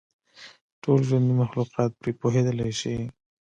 ټول ژوندي مخلوقات پرې پوهېدلای شي.